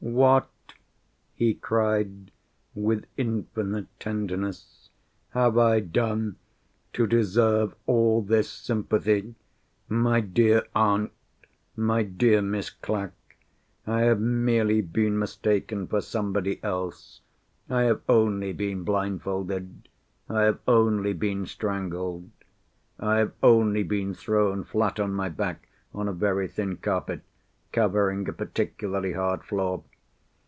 "What," he cried, with infinite tenderness, "have I done to deserve all this sympathy? My dear aunt! my dear Miss Clack! I have merely been mistaken for somebody else. I have only been blindfolded; I have only been strangled; I have only been thrown flat on my back, on a very thin carpet, covering a particularly hard floor.